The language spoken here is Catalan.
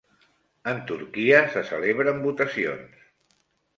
En Turquia se celebren votacions